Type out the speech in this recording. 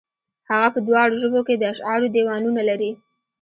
هغه په دواړو ژبو کې د اشعارو دېوانونه لري.